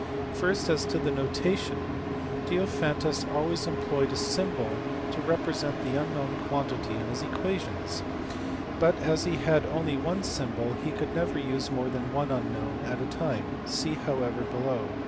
First, as to the notation. Diophantus always employed a symbol to represent the unknown quantity in his equations, but as he had only one symbol he could never use more than one unknown at a time (see, however, below, p.